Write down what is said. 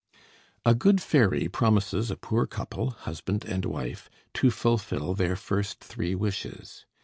A good fairy promises a poor couple, husband and wife, to fulfill their first three wishes.